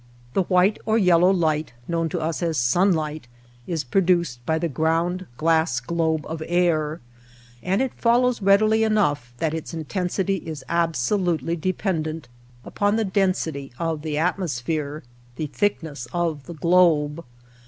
The white or yellow light, known to us as sunlight, is produced by the ground glass globe of air, and it follows readily enough that its intensity is absolutely dependent upon the density of the atmosphere — the thickness of the globe.